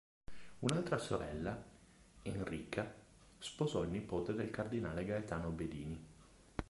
Un'altra sorella, Enrica sposò il nipote del Cardinale Gaetano Bedini.